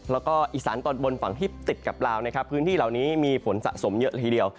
แล้วก็อีสานตอนบนฝั่งที่ติดกับลาวนะครับพื้นที่เหล่านี้มีฝนสะสมเยอะละทีเดียว